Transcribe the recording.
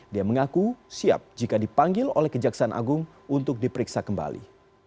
dia mengaku siap jika dipanggil oleh kejaksaan agung untuk diperiksa kembali